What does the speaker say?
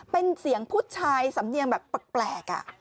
เป็นเสียงผู้ชายสำเนียงแบบแปลก